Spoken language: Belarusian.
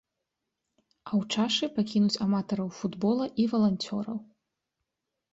А ў чашы пакінуць аматараў футбола і валанцёраў.